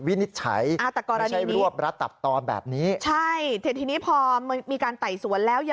วินิจฉัย